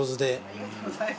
ありがとうございます。